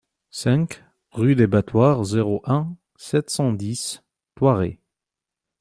cinq rue des Battoirs, zéro un, sept cent dix, Thoiry